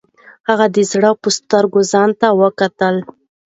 هغه د زړه په سترګو ځان ته وکتل.